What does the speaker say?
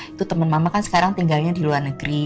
itu teman mama kan sekarang tinggalnya di luar negeri